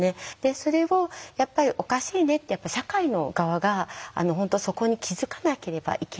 それをやっぱりおかしいねって社会の側が本当そこに気付かなければいけない。